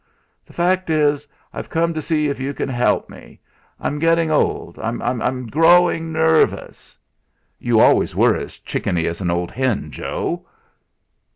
The fact is, I've come to see if you can help me. I'm getting old; I'm growing nervous...." "You always were as chickeny as an old hen, Joe."